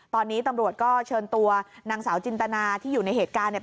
ตอนนี้ตำรวจก็เชิญตัวนางสาวจินตนาที่อยู่ในเหตุการณ์เนี่ย